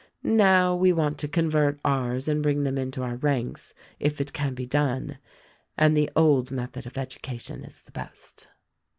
Now, we want to convert ours and bring them into our ranks, if it can be done — and the old method of education is the best."